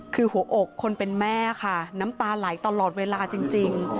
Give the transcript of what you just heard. คือหัวอกคนเป็นแม่ค่ะน้ำตาไหลตลอดเวลาจริง